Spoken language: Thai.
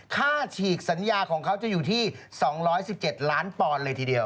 ฉีกสัญญาของเขาจะอยู่ที่๒๑๗ล้านปอนด์เลยทีเดียว